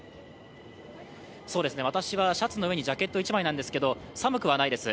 私はシャツの上にジャケット１枚なんですけど、寒くはないです。